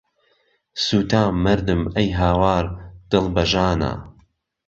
سوتام، مردم، ئەی هاوار، دڵ بە ژانە